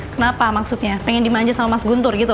kenapa maksudnya pengen dimanja sama mas guntur gitu